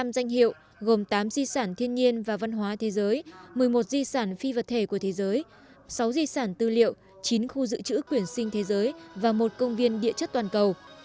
năm danh hiệu gồm tám di sản thiên nhiên và văn hóa thế giới một mươi một di sản phi vật thể của thế giới sáu di sản tư liệu chín khu dự trữ quyển sinh thế giới và một công viên địa chất toàn cầu